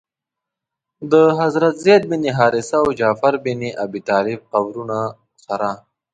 د حضرت زید بن حارثه او جعفر بن ابي طالب قبرونو سره.